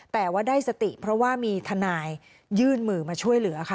แต่ว่าได้สติเพราะว่ามีทนายยื่นมือมาช่วยเหลือค่ะ